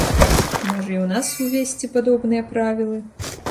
Можа, і ў нас увесці падобныя правілы?